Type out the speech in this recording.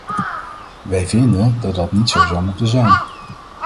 Wij vinden dat dat niet zo zou moeten zijn.